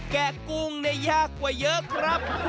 แกะกุ้งเนี่ยยากกว่าเยอะครับ